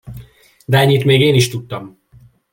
De ennyit még én is tudtam!